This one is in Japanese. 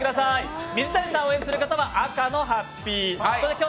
水谷さんを応援する方は赤のハッピきょ